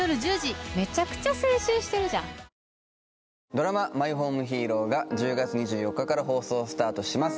．．．ドラマ「マイホームヒーロー」が１０月２４日から放送スタートします